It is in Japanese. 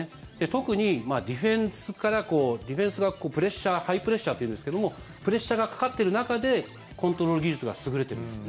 特にディフェンスからディフェンスがプレッシャーハイプレッシャーっていうんですけどもプレッシャーがかかっている中でコントロール技術が優れてるんです。